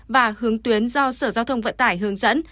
và hướng tuyến do sở giao thông vận tải hướng dẫn